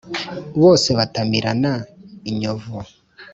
Bose batamirana inyovu.